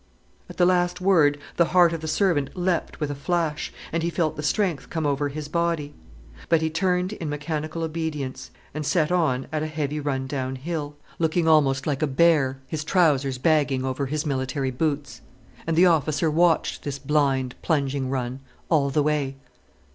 At the last word, the heart of the servant leapt with a flash, and he felt the strength come over his body. But he turned in mechanical obedience, and set on at a heavy run downhill, looking almost like a bear, his trousers bagging over his military boots. And the officer watched this blind, plunging run all the way.